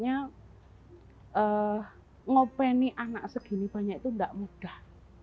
mengopini anak segini banyak itu tidak mudah